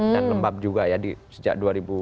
dan lembab juga ya sejak dua ribu lima belas